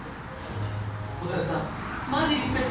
蛍さんマジリスペクトっす。